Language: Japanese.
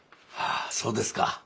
あそうですか。